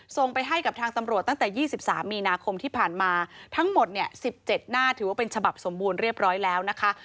ส่งไปให้กับทางตำรวจตั้งแต่๒๓มีนาคมที่ผ่านมาทั้งหมดเนี่ย๑๗หน้าถือว่าเป็นฉบับสมบูรณ์เรียบร้อยแล้วนะคะ